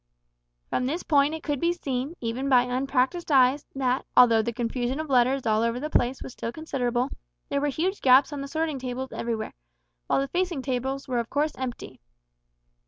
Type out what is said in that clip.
From this point it could be seen, even by unpractised eyes, that, although the confusion of letters all over the place was still considerable, there were huge gaps on the sorting tables everywhere, while the facing tables were of course empty.